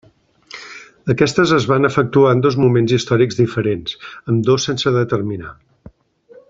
Aquestes es van efectuar en dos moments històrics diferents, ambdós sense determinar.